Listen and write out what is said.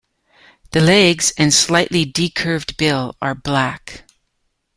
The legs and slightly decurved bill are black.